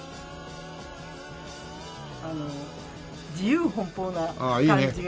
あの自由奔放な感じが。